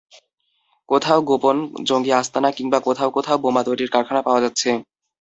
কোথাও গোপন জঙ্গি আস্তানা কিংবা কোথাও কোথাও বোমা তৈরির কারখানা পাওয়া যাচ্ছে।